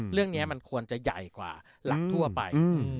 เรื่องนี้มันควรจะใหญ่กว่าหลักทั่วไป